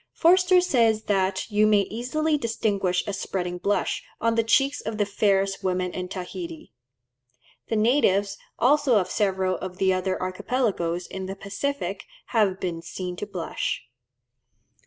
Forster says that "you may easily distinguish a spreading blush" on the cheeks of the fairest women in Tahiti. The natives also of several of the other archipelagoes in the Pacific have been seen to blush.